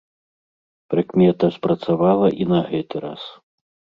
Прыкмета спрацавала і на гэты раз.